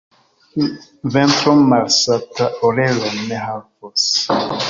Ventro malsata orelon ne havas.